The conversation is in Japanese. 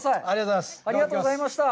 ありがとうございます。